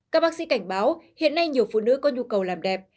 các bác sĩ cảnh báo hiện nay nhiều phụ nữ có nhu cầu làm đẹp